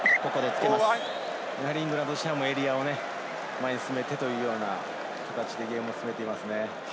イングランドとしてはエリアをね、前へ進めてというような形でゲームを進めていますね。